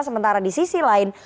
sementara di sisi lain